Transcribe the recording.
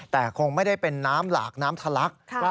แต่คงไม่ได้เป็นน้ำหลากน้ำทะลัก